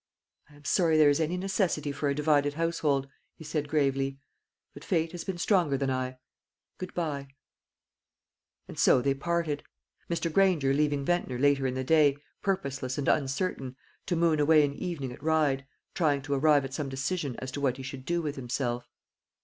"I am sorry there is any necessity for a divided household," he said gravely. "But fate has been stronger than I. Good bye." And so they parted; Mr. Granger leaving Ventnor later in the day, purposeless and uncertain, to moon away an evening at Ryde, trying to arrive at some decision as to what he should do with himself.